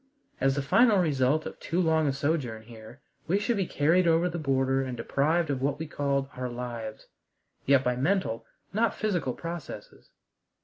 As the final result of too long a sojourn here, we should be carried over the border and deprived of what we called "our lives," yet by mental, not physical, processes.